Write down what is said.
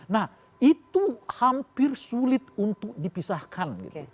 nah itu hampir sulit untuk dipisahkan